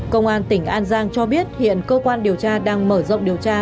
công an tỉnh an giang cho biết hiện cơ quan điều tra đang mở rộng điều tra